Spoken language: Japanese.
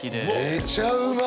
めちゃうまい。